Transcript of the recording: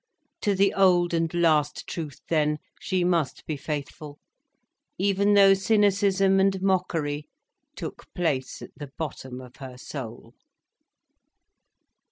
To the old and last truth then she must be faithful even though cynicism and mockery took place at the bottom of her soul.